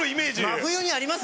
真冬にあります？